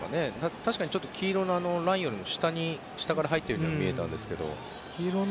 確かに黄色のラインよりも下から入っているように見えたんですけど。